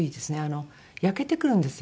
焼けてくるんですよ